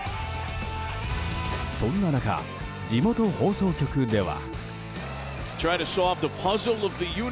そんな中、地元放送局では。